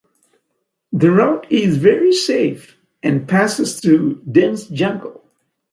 The route is very safe and passes through dense jungle.